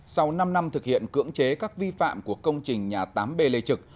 sau năm năm thực hiện cưỡng chế các vi phạm của công trình nhà tám b lê trực